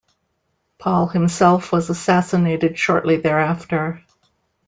Paul himself was assassinated shortly thereafter.